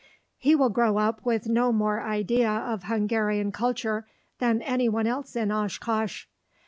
He will grow up with no more idea of Hungarian culture than anyone else in Oshkosh.